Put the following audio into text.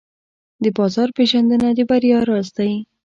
د بازار پېژندنه د بریا راز دی.